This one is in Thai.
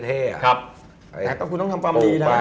แต่ถ้าหากคุณต้องทำความดีนะ